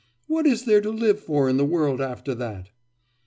What is there to live for in the world after that?